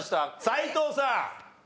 斎藤さん。